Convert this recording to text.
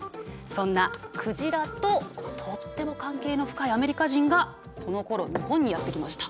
そんな鯨ととっても関係の深いアメリカ人がこのころ日本にやって来ました。